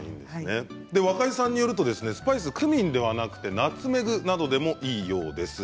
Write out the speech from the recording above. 若井さんによるとスパイスはクミンだけではなくナツメグなどでもいいようです。